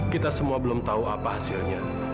kita semua belum tahu apa hasilnya